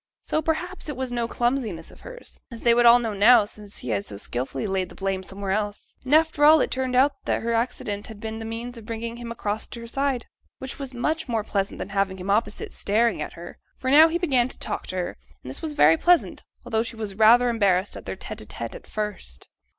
So perhaps it was no clumsiness of hers, as they would all know, now, since he had so skilfully laid the blame somewhere else; and after all it turned out that her accident had been the means of bringing him across to her side, which was much more pleasant than having him opposite, staring at her; for now he began to talk to her, and this was very pleasant, although she was rather embarrassed at their tete a tete at first.